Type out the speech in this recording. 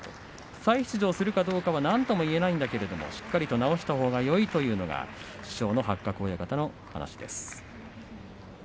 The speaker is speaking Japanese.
再出場するかどうかはなんとも言えないけどもしっかり治したほうがいいという八角親方の話です。